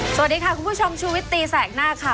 สวัสดีค่ะคุณผู้ชมชูวิตตีแสกหน้าค่ะ